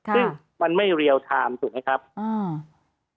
ซึ่งมันไม่เรียลไทม์ถูกไหมครับอืม